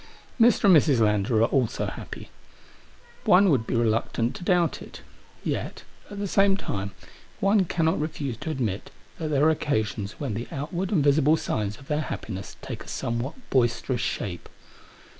Mi*, and Mrs. Lander are also happy* One would be reluctant to doubt it. Yet, at the same time, one cannot refuse to admit that there are occasions when the outward and visible signs of their happiness take a somewhat boisterous shape.